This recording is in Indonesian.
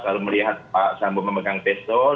lalu melihat pak sambo memegang pistol